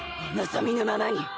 お望みのままに。